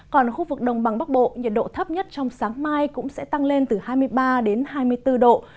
còn khu vực đồng bằng bắc bộ nhiệt độ thấp nhất trong sáng mai cũng sẽ tăng lên từ hai mươi ba đến hai mươi bốn độ